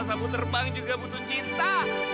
sambu terbang juga butuh cinta